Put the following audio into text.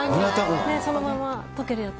そのままとけるやつ。